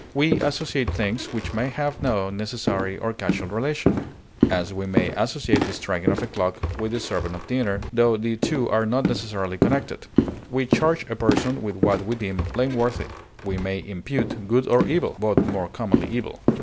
We associate things which may have no necessary or causal relation; as, we may associate the striking of a clock with the serving of dinner, tho the two are not necessarily connected. We charge a person with what we deem blameworthy. We may impute good or evil, but more commonly evil.